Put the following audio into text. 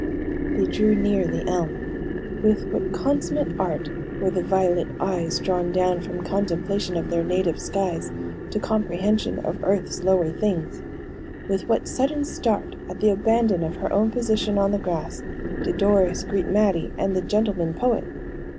They drew near the elm. With what consummate art were the violet eyes drawn down from contemplation of their native skies to comprehension of earth's lower things! With what a sudden start at the abandon of her own position on the grass did Doris greet Mattie and the "gentleman poet!"